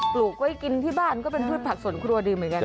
ลูกไว้กินที่บ้านก็เป็นพืชผักสวนครัวดีเหมือนกัน